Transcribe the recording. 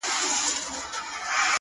نجلۍ ولاړه په هوا ده او شپه هم يخه ده-